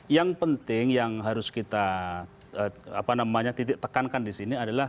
yang penting yang harus kita titik tekankan di sini adalah